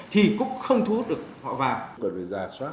thì cũng không thu hút được họ vào